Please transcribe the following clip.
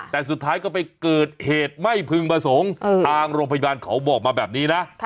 แต่สุดท้ายก็ไปเกิดเหตุไม่พึงประสงค์ทางโรงพยาบาลเขาบอกมาแบบนี้นะ